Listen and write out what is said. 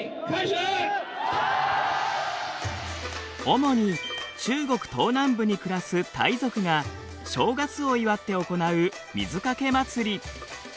主に中国東南部に暮らすタイ族が正月を祝って行う水かけ祭。